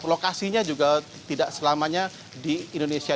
lokasinya juga tidak selamanya di indonesia